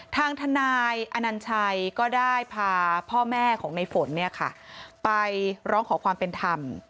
ทางทนายอนัญชัยก็ได้พาพ่อแม่ของในฝนไปร้องขอความเป็นธรรม